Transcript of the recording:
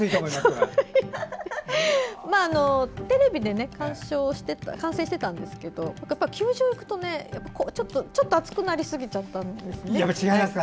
最初はテレビで観戦していたんですがやっぱり球場にいくと、ちょっと熱くなりすぎちゃったんですね。